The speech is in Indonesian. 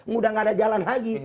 mudah nggak ada jalan lagi